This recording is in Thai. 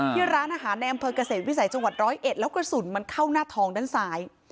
ที่ร้านอาหารในอำเภอกเกษตรวิสัยจังหวัดร้อยเอ็ดแล้วกระสุนมันเข้าหน้าทองด้านซ้าย